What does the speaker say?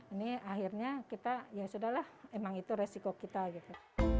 ini akhirnya kita ya sudah lah emang itu resiko kita gitu